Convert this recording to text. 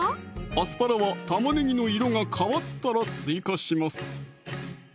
アスパラは玉ねぎの色が変わったら追加します